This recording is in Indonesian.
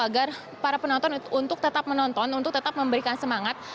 agar para penonton untuk tetap menonton untuk tetap memberikan semangat